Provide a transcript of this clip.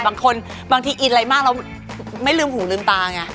บางทีอินอะไรมากเราไม่ลืมหูลืมตาไง